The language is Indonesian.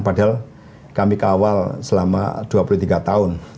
padahal kami kawal selama dua puluh tiga tahun